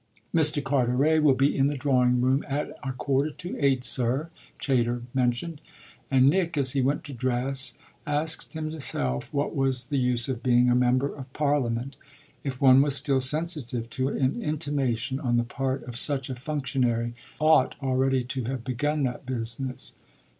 "Mr. Carteret will be in the drawing room at a quarter to eight, sir," Chayter mentioned, and Nick as he went to dress asked himself what was the use of being a member of Parliament if one was still sensitive to an intimation on the part of such a functionary that one ought already to have begun that business.